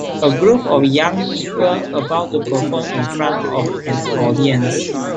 a group of young people about to perform in front of an audience.